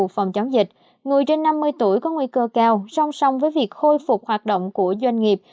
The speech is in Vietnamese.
phòng chống dịch người trên năm mươi tuổi có nguy cơ cao song song với việc khôi phục hoạt động của doanh nghiệp